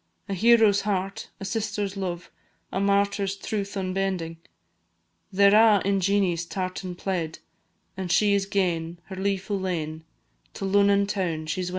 A hero's heart a sister's love A martyr's truth unbending; They 're a' in Jeanie's tartan plaid And she is gane, her leefu' lane, To Lunnon toun she 's wending!